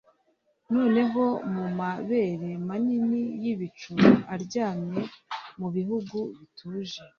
noneho mumabere manini yibicu aryamye mubihugu bituje,